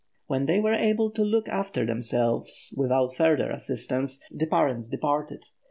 When they were able to look after themselves, without further assistance, the parents departed.